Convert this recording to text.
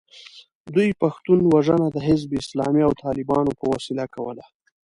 دوی پښتون وژنه د حزب اسلامي او طالبانو په وسیله کوله.